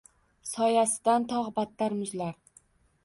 Soyasidan tog’ battar muzlar